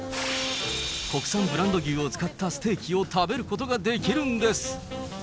国産ブランド牛を使ったステーキを食べることができるんです。